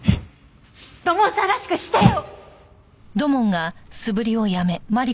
土門さんらしくしてよ！